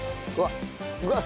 うわっ